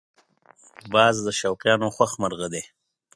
باز د شوقیانو خوښ مرغه دی